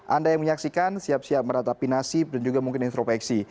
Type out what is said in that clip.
anda yang menyaksikan siap siap merata pinasib dan juga mungkin instropeksi